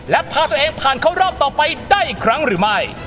และพาตัวเองผ่านเข้ารอบต่อไปได้อีกครั้งหรือไม่